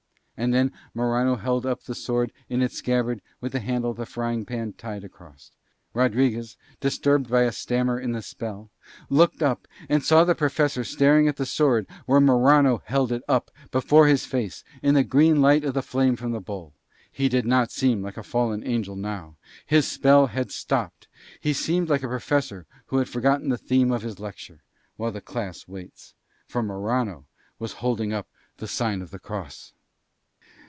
And then Morano held up the sword in its scabbard with the handle of the frying pan tied across. Rodriguez, disturbed by a stammer in the spell, looked up and saw the Professor staring at the sword where Morano held it up before his face in the green light of the flame from the bowl. He did not seem like a fallen angel now. His spell had stopped. He seemed like a professor who had forgotten the theme of his lecture, while the class waits. For Morano was holding up the sign of the cross.